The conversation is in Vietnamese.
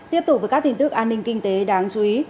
tiếp tục với các tin tức an ninh kinh tế đáng chú ý